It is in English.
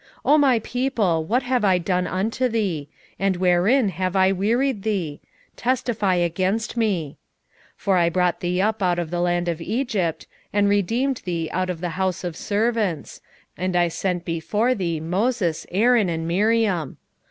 6:3 O my people, what have I done unto thee? and wherein have I wearied thee? testify against me. 6:4 For I brought thee up out of the land of Egypt, and redeemed thee out of the house of servants; and I sent before thee Moses, Aaron, and Miriam.